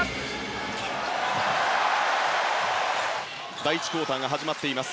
第１クオーターが始まっています。